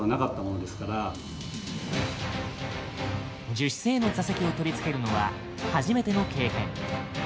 樹脂製の座席を取り付けるのは初めての経験。